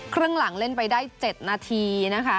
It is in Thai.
ครึ่งหลังเล่นไปได้๗นาทีนะคะ